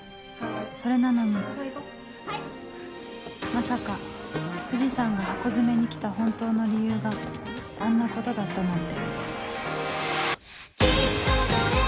それなのにまさか藤さんがハコヅメに来た本当の理由があんなことだったなんて